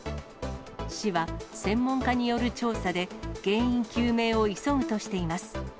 市は、専門家による調査で、原因究明を急ぐとしています。